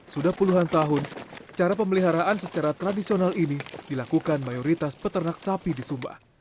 sudah puluhan tahun cara pemeliharaan secara tradisional ini dilakukan mayoritas peternak sapi di sumba